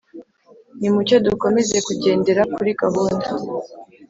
nimucyo dukomeze kugendera kuri gahunda